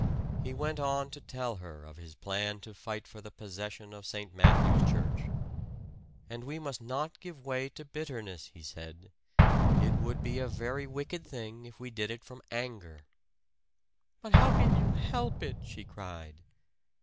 He went on to tell her of his plan to fight for the possession of St. Matthew's Church. "And we must not give way to bitterness," he said; "it would be a very wicked thing if we did it from anger." "But how can you help it?" she cried.